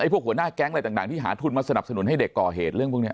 พวกหัวหน้าแก๊งอะไรต่างที่หาทุนมาสนับสนุนให้เด็กก่อเหตุเรื่องพวกนี้